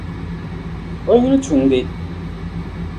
O yuli Tunde